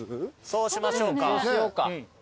そうしましょうか。